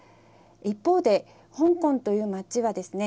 一方で香港という街はですね